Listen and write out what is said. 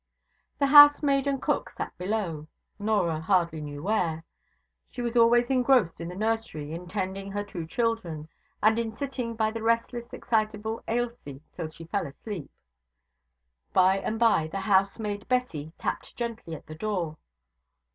The housemaid and cook sat below, Norah hardly knew where. She was always engrossed in the nursery in tending her two children, and in sitting by the restless, excitable Ailsie till she fell asleep. By and by the housemaid Bessy tapped gently at the door.